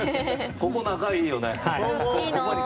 ここ、仲いいよね。